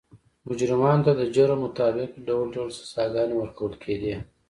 مجرمانو ته د جرم مطابق ډول ډول سزاګانې ورکول کېدې.